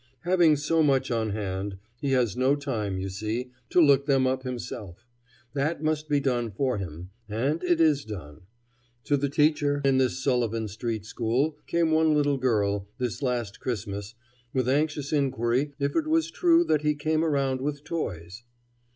Having so much on hand, he has no time, you see, to look them up himself. That must be done for him; and it is done. To the teacher in this Sullivan street school came one little girl, this last Christmas, with anxious inquiry if it was true that he came around with toys.